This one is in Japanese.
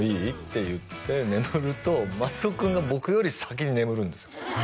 て言って眠ると松尾くんが僕より先に眠るんですよ